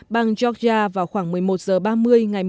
bang georgia vào khoảng một mươi một h ba mươi